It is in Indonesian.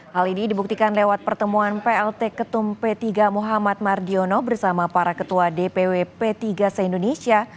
hal ini dibuktikan lewat pertemuan plt ketum p tiga muhammad mardiono bersama para ketua dpw p tiga se indonesia